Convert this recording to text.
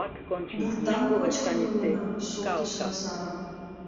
— Бурдам кочкын улына, — шоктыш Назаров.